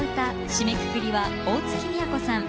締めくくりは大月みやこさん